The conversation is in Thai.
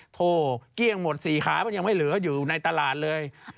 โถเกลี้ยงหมด๔ขามันยังไม่เหลืออยู่ในตลาดเลย